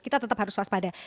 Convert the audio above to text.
kita tetap harus waspada